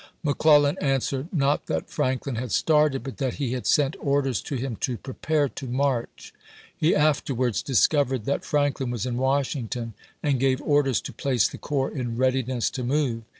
McClellan answered, not that Franklin had started, but that he had sent orders to him to " prepare to march." ibid., p. 95. He afterwards discovered that Franklin was in Washington, and gave orders to place the corps in " readiness to move."